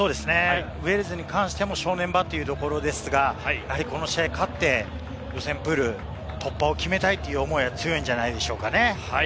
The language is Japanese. ウェールズに関しても正念場というところですが、やはりこの試合に勝って予選プール突破を決めたいという思いは強いんじゃないでしょうかね。